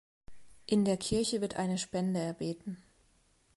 In der Kirche wird eine Spende erbeten.